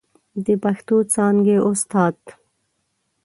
د پښتو څانګې استاد